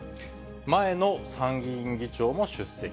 前の参議院議長も出席。